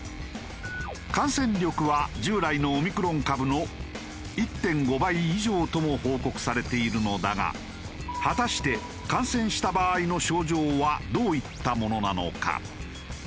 感染力は従来のオミクロン株の１．５倍以上とも報告されているのだが果たして感染した場合の症状はどういったものなのか？